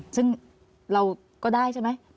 ซึ่งเราก็ได้ใช่ไหม